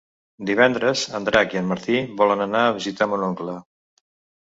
Divendres en Drac i en Martí volen anar a visitar mon oncle.